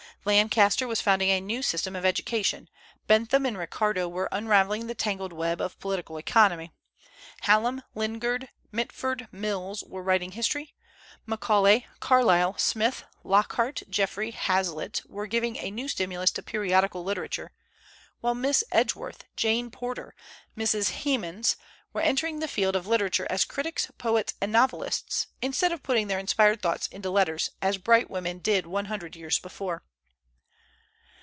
Lancaster was founding a new system of education; Bentham and Ricardo were unravelling the tangled web of political economy; Hallam, Lingard, Mitford, Mills, were writing history; Macaulay, Carlyle, Smith, Lockhart, Jeffrey, Hazlitt, were giving a new stimulus to periodical literature; while Miss Edgeworth, Jane Porter, Mrs. Hemans, were entering the field of literature as critics, poets, and novelists, instead of putting their inspired thoughts into letters, as bright women did one hundred years before.